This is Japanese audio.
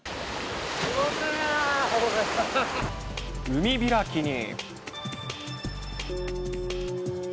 海開きに。